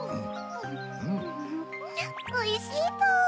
おいしいポ。